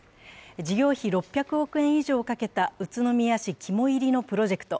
事業費６００億円以上をかけた宇都宮市肝煎りのプロジェクト。